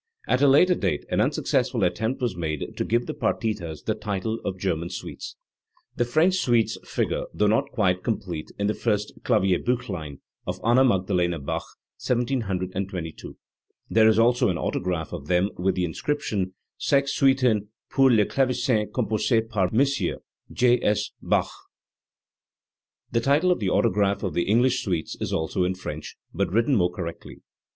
At a later date an unsuccessful attempt was made to give the partitas the title of "German suites". The French suites figure, though not quite complete, in the first KlavierbUchlein of Anna Magdalena Bach (1722). There is also an autograph of them with the in scription: "Sex Suiten pur le Clavesin compossee par Mos: J. S. Bach." The title of the autograph of the English suites is also in French, but written more correctly.